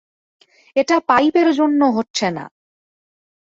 এটা পাইপের জন্য হচ্ছে না।